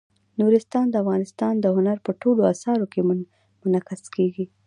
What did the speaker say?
نورستان د افغانستان د هنر په ټولو اثارو کې منعکس کېږي.